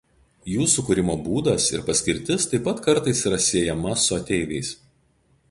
Jų sukūrimo būdas ir paskirtis taip pat kartais yra siejama su ateiviais.